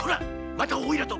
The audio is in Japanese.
また「おいら」と！